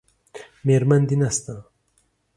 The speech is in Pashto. میرمن دې نشته؟